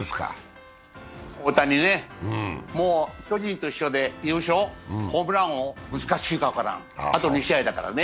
大谷ね、もう巨人と一緒で優勝、ホームラン王、難しいか分からん、あと２試合だからね。